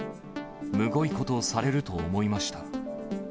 むごいことをされると思いました。